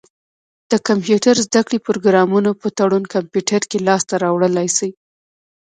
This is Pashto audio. د کمپيوټر زده کړي پروګرامونه په تړون کمپيوټر کي لاسته را وړلای سی.